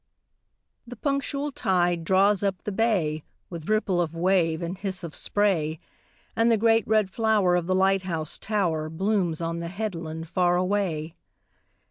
The punctual tide draws up the bay, With ripple of wave and hiss of spray, And the great red flower of the light house tower Blooms on the headland far away.